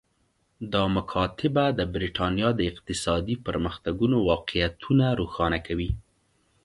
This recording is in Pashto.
دا مکاتبه د برېټانیا د اقتصادي پرمختګونو واقعیتونه روښانه کوي